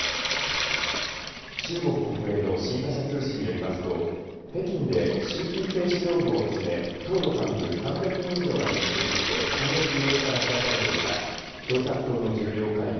中国国営の新華社通信によりますと北京で習近平指導部をはじめ党の幹部３００人以上が出席して今月８日から開かれていた共産党の重要会議